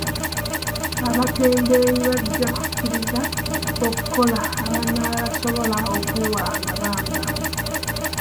Abatembeeyi bajja kukkiriza okukola banaaba basobola okwewa amabanga.